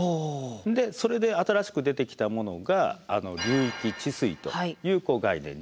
でそれで新しく出てきたものが流域治水という概念になります。